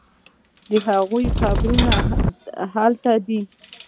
د هغوی قبرونه همدلته دي.